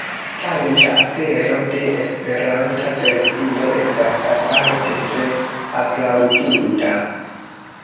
Tamen la apero de esperanta versio estas aparte tre aplaŭdinda.